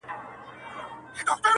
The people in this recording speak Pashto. په ځنگله كي سو دا يو سل سرى پاته!.